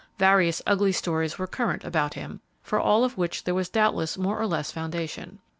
Various ugly stories were current about him, for all of which there was doubtless more or less foundation.